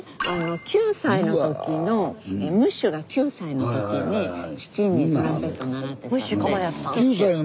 ９歳の時のムッシュが９歳の時に父にトランペット習ってたんで。